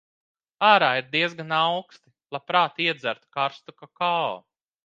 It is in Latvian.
Ārā ir diezgan auksti. Labprāt iedzertu karstu kakao.